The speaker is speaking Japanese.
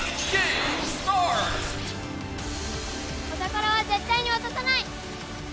お宝は絶対に渡さない！